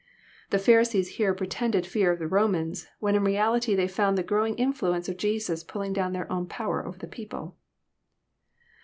The Pharisees here pretended fear of the Romans, when in reality they found the growing influence of Jesus pulling down their own power over the people.